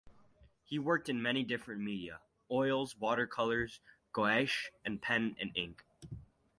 He worked in many different media: oils, watercolours, gouache and pen and ink.